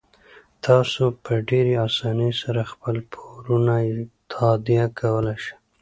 تاسو په ډیرې اسانۍ سره خپل پورونه تادیه کولی شئ.